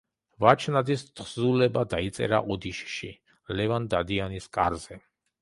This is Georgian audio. ვაჩნაძის თხზულება დაიწერა ოდიშში, ლევან დადიანის კარზე.